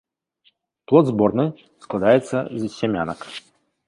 Плод зборны, складаецца з сямянак.